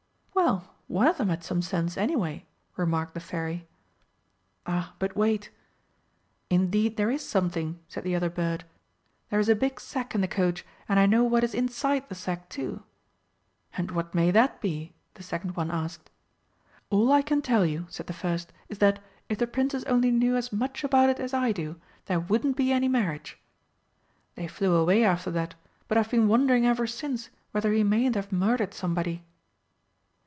'" "Well, one of them had some sense, anyway!" remarked the Fairy. "Ah, but wait. 'Indeed there is something,' said the other bird. 'There is a big sack in the coach, and I know what is inside the sack, too.' 'And what may that be?' the second one asked. 'All I can tell you,' said the first, 'is that, if the Princess only knew as much about it as I do, there wouldn't be any marriage!' They flew away after that, but I've been wondering ever since whether he mayn't have murdered somebody."